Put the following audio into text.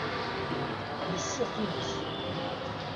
Yessiɣ times.